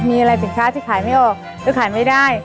มีอะไรสินค้าที่ขายไม่ออกหรือขายไม่ได้